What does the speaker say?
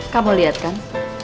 kamu lihat kan